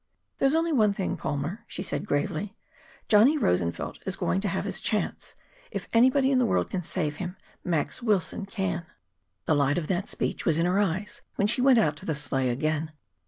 "There's only one thing, Palmer," she said gravely. "Johnny Rosenfeld is going to have his chance. If anybody in the world can save him, Max Wilson can." The light of that speech was in her eyes when she went out to the sleigh again.